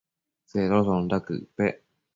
Tsedoshonda quëc pec?